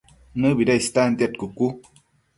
¿Nëbida istantiad cucu?